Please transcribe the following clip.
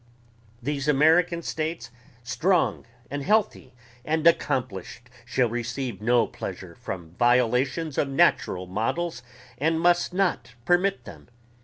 These American states strong and healthy and accomplished shall receive no pleasure from violations of natural models and must not permit them.